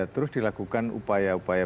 terus dilakukan upaya upaya